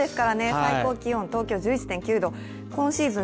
最高気温、東京１１．９度今シーズン